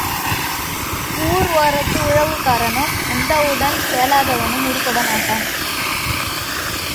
ஊர் ஓரத்து உழவுக்காரனும் உண்டவுடன் பேளாதவனும் உருப்படமாட்டான்.